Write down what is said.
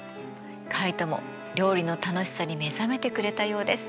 カイトも料理の楽しさに目覚めてくれたようです。